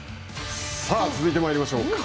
続いてまいりましょう。